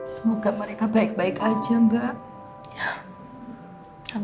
semoga mereka baik baik aja mbak